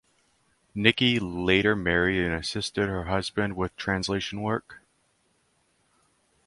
Niki later married and assisted her husband with translation work.